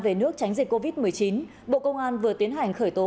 về nước tránh dịch covid một mươi chín bộ công an vừa tiến hành khởi tố